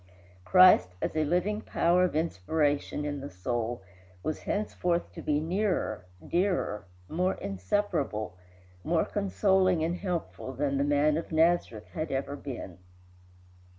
Christ, as a living power of inspiration in the soul, was henceforth to be nearer, dearer, more inseparable, more consoling and helpful than the man of Nazareth had ever been.